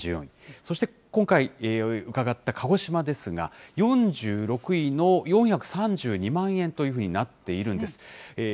そして、今回、伺った鹿児島ですが、４６位の４３２万円というふうになっているんです。